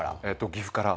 岐阜から。